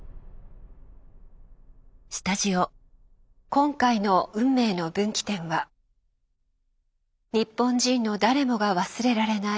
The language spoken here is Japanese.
今回の運命の分岐点は日本人の誰もが忘れられない